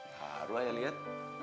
baru ayah lihat